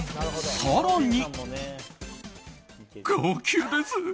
更に。